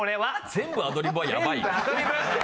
全部アドリブはヤバいよ。